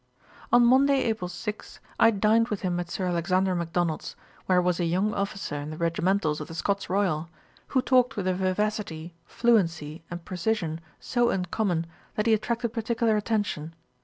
On Monday, April 6, I dined with him at Sir Alexander Macdonald's, where was a young officer in the regimentals of the Scots Royal, who talked with a vivacity, fluency, and precision so uncommon, that he attracted particular attention.